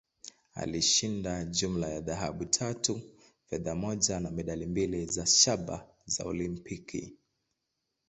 Alishinda jumla ya dhahabu tatu, fedha moja, na medali mbili za shaba za Olimpiki.